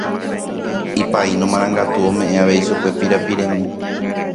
Ipaíno marangatu omeʼẽ avei chupe pirapiremi.